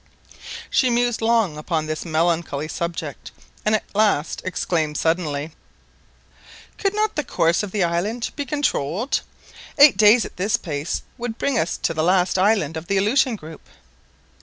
She mused long upon this melancholy subject, and at last exclaimed suddenly— "Could not the course of the island be controlled? Eight days at this pace would bring us to the last island of the Aleutian group."